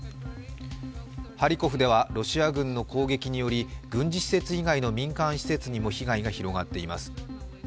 ハリコフではロシア軍の攻撃により軍事施設以外の民間施設にも被害が広がっています。